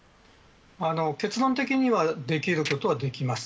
結論的にはできることはできます。